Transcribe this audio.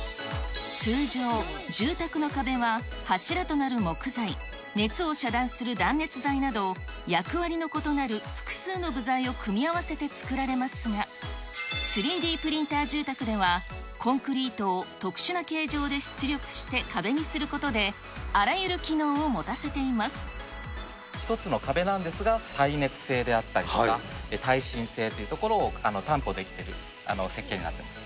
通常、住宅の壁は、柱となる木材、熱を遮断する断熱材など、役割の異なる複数の部材を組み合わせて作られますが、３Ｄプリンター住宅では、コンクリートを特殊な形状で出力して壁にすることで、あらゆる機１つの壁なんですが、耐熱性であったりとか、耐震性というところを担保できてる設計になっております。